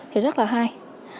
thì rất là hay